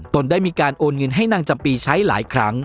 ตนได้มีการโอนเงินให้นางจำปีใช้หลายครั้ง